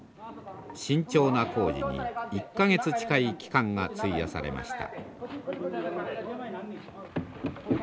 慎重な工事に１か月近い期間が費やされました。